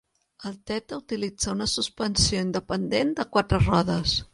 El Theta utilitza una suspensió independent de quatre rodes.